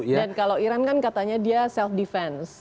dan kalau iran kan katanya dia self defense